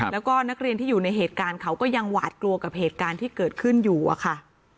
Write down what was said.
แล้วก็นักเรียนที่อยู่ในเหตุการณ์เขาก็ยังหวาดกลัวกับเหตุการณ์ที่เกิดขึ้นอยู่อะค่ะ